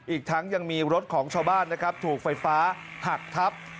อีกทั้งยังมีรถของชาวบ้านนะครับถูกไฟฟ้าหักทับ